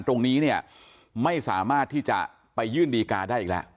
ตรงนี้เนี่ยไม่สามารถที่จะไปยื่นดีการ์ได้อีกแล้ว